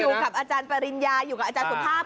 อยู่กับอาจารย์ปริญญาอยู่กับอาจารย์สุภาพ